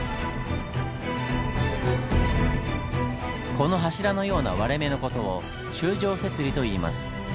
この柱のような割れ目の事を「柱状節理」といいます。